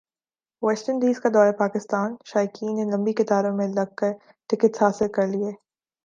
waste Indies کا دورہ پاکستان شائقین نے لمبی قطاروں میں لگ کر ٹکٹس حاصل کرلئے